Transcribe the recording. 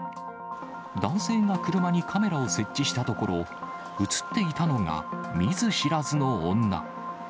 男性が車にカメラを設置したところ、写っていたのが見ず知らずの女。